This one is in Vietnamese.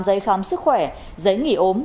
giấy khám sức khỏe giấy nghỉ ốm